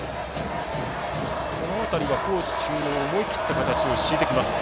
この辺りは高知中央思い切った形を敷いてきます。